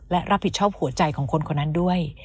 และรับผิดชอบหัวใจของคนคนนั้นด้วย